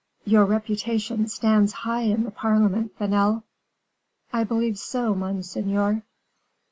"Your reputation stands high in the parliament, Vanel." "I believe so, monseigneur."